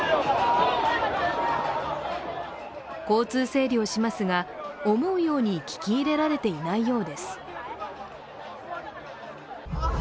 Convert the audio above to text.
交通整理をしますが、思うように聞き入れられていないようです。